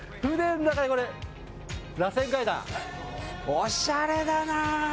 おしゃれだな。